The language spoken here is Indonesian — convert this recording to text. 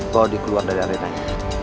bawa di keluar dari arenanya